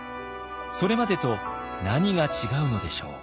それまでと何が違うのでしょう？